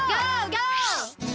ゴー！